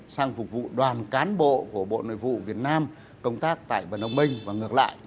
sang phục vụ đoàn cán bộ của bộ nội vụ việt nam công tác tại vân âu minh và ngược lại